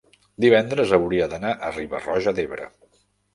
divendres hauria d'anar a Riba-roja d'Ebre.